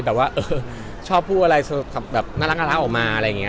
แบบว่าเออชอบพูดอะไรแบบน่ารักออกมาอะไรอย่างนี้